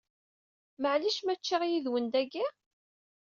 Maɛlic ma ččiɣ yid-wen dagi?